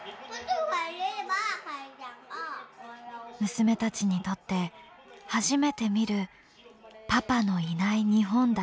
娘たちにとって初めて見るパパのいない日本代表の試合でした。